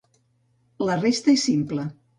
La resta és simple.